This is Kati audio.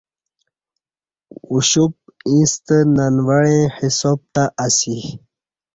اوشپ ییݩستہ ننوعیں حساب تہ اسی